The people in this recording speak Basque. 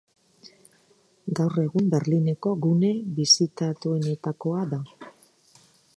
Gaur egun, Berlineko gune bisitatuenetakoa da.